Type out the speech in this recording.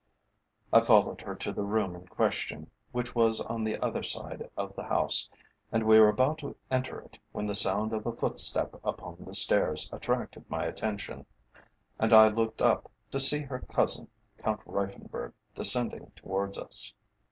I followed her to the room in question, which was on the other side of the house, and we were about to enter it, when the sound of a footstep upon the stairs attracted my attention, and I looked up, to see her cousin, Count Reiffenburg, descending towards us.